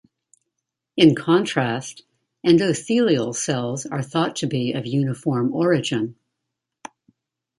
In contrast, endothelial cells are thought to be of uniform origin.